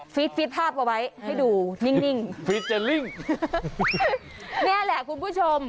ฟีดฟีดภาพก็ไว้ให้ดูนิ่งฟีดจะลิ่งนี่แหละคุณผู้ชม